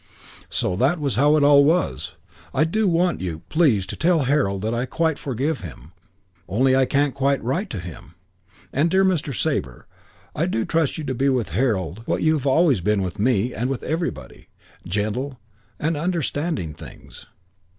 So that was how it all was. I do want you, please, to tell Harold that I quite I forgive him, only I can't quite write to him. And dear Mr. Sabre, I do trust you to be with Harold what you have always been with me and with everybody gentle, and understanding things.